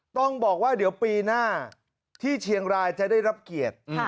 ต้องบอกว่าเดี๋ยวปีหน้าที่เชียงรายจะได้รับเกียรติ